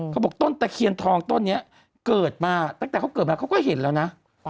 เขาบอกต้นตะเคียนทองต้นนี้เกิดมาตั้งแต่เขาเกิดมาเขาก็เห็นแล้วนะ